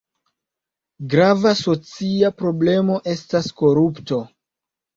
Grava socia problemo estas korupto.